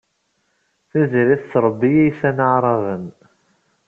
Tiziri tettṛebbi iysan aɛṛaben.